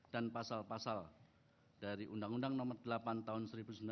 dan pasal pasal dari undang undang nomor delapan tahun seribu sembilan ratus delapan puluh satu